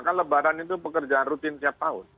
karena lebaran itu pekerjaan rutin tiap tahun